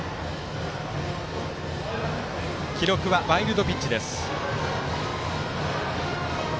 記録はワイルドピッチです。